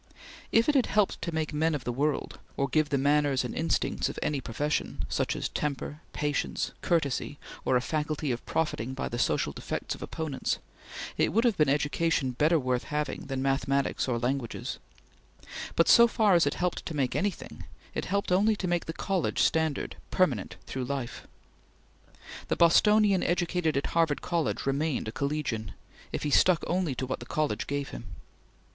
If it had helped to make men of the world, or give the manners and instincts of any profession such as temper, patience, courtesy, or a faculty of profiting by the social defects of opponents it would have been education better worth having than mathematics or languages; but so far as it helped to make anything, it helped only to make the college standard permanent through life. The Bostonian educated at Harvard College remained a collegian, if he stuck only to what the college gave him.